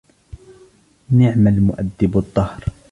نعم المؤَدِّبُ الدهر.